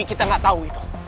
kita gak tau itu